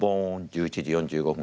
１１時４５分